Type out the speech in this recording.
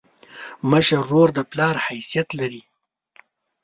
مشر ورور د پلار حیثیت لري.